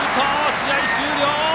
試合終了。